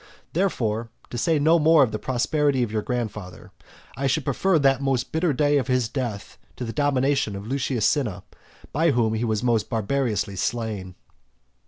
Therefore, to say no more of the prosperity of your grandfather, I should prefer that most bitter day of his death to the domination of Lucius Cinna, by whom he was most barbarously slain.